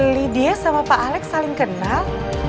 lydia sama pak alex saling kenal